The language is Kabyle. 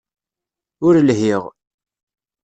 Ur lhiɣ.